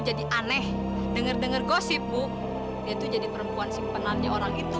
jadi aneh denger dengar gosip bu itu jadi perempuan simpanannya orang itu